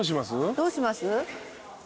どうします？